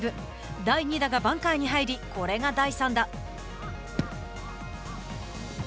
第２打がバンカーに入りこれが第３打。